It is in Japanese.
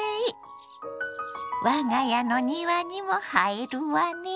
我が家の庭にも映えるわね。